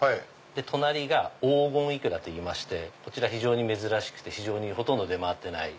隣が黄金いくらといいましてこちら非常に珍しくて市場にほとんど出回ってない。